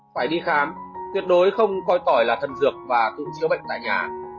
phải đi khám tuyệt đối không coi tỏi là thần dược và tự chứa bệnh tại nhà